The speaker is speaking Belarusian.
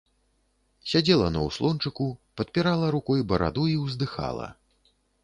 Сядзела на ўслончыку, падпірала рукой бараду і ўздыхала.